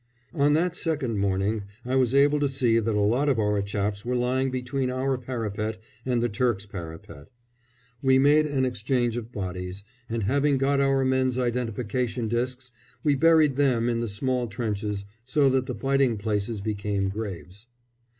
On that second morning I was able to see that a lot of our chaps were lying between our parapet and the Turks' parapet. We made an exchange of bodies, and having got our men's identification discs, we buried them in the small trenches, so that the fighting places became graves.